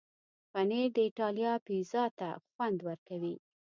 پنېر د ایټالیا پیزا ته خوند ورکوي.